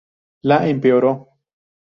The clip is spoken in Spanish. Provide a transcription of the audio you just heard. La empeoró.